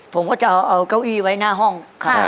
ผมก็จะเอาเก้าอี้ไว้หน้าห้อง